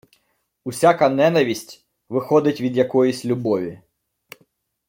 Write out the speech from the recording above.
Усяка ненависть виходить від якоїсь любові.